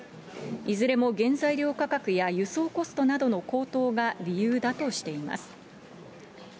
いずれも原材料価格や輸送コストなどの高騰が理由だとしています。